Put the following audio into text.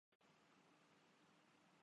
تو اثر چھوڑ جاتے ہیں۔